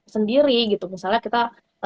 sendiri gitu misalnya kita